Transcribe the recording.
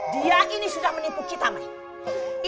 dia ini sudah menipu kita mai